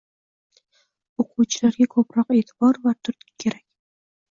O‘quvchilarga ko‘proq e’tibor va turtki kerak.